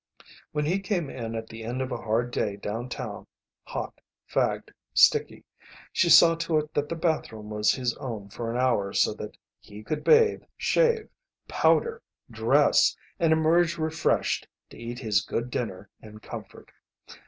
When he came in at the end of a hard day downtown hot, fagged, sticky she saw to it that the bathroom was his own for an hour so that he could bathe, shave, powder, dress, and emerge refreshed to eat his good dinner in comfort.